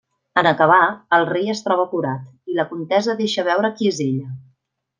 En acabar, el rei es troba curat, i la contesa deixa veure qui és ella.